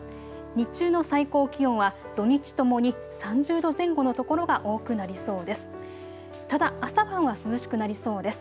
日中の最高気温は土日ともに３０度前後の所が多くなりそうです。